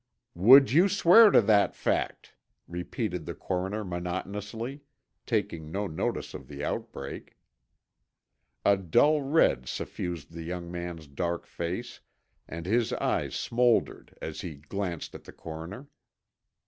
"Would you swear to that fact?" repeated the coroner monotonously, taking no notice of the outbreak. A dull red suffused the young man's dark face and his eyes smoldered as he glanced at the coroner.